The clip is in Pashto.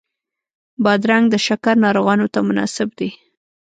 بادرنګ د شکر ناروغانو ته مناسب دی.